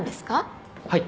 はい。